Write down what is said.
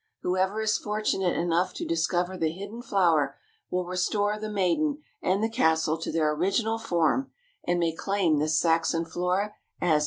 Whoever is fortunate enough to discover the hidden flower will restore the maiden and the castle to their original form and may claim this Saxon Flora as his bride.